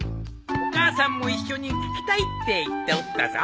お母さんも一緒に聞きたいって言っておったぞ。